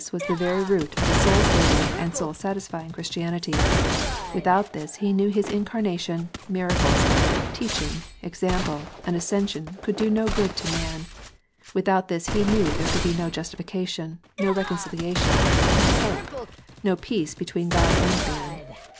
was the very root of soul saving and soul satisfying Christianity Without this He knew His incarnation, miracles, teaching, example, and ascension could do no good to man; without this He knew there could be no justification, no reconciliation, no hope, no peace between God and man.